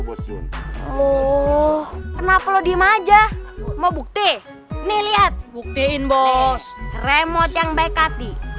bosun oh kenapa lo di maja mau bukti nih lihat buktiin bos remote yang baik hati